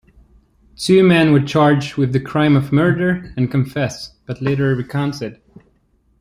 Two men were charged with the crime of murder and confessed, but later recanted.